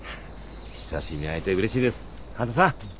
久しぶりに会えてうれしいです半田さん。